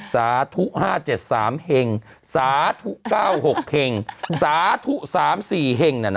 สาธุ๕๗๓เฮงสาธุ๙๖เฮงสาธุ๓๔เฮง